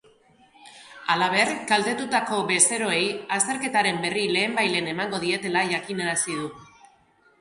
Halaber, kaltetutako bezeroei azterketaren berri lehenbailehen emango dietela jakinarazi du.